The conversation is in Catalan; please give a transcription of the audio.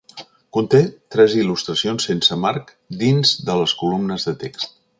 Conté tres il·lustracions sense marc dins de les columnes de text.